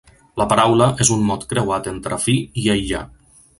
La paraula és un mot creuat entre fi i aïllar.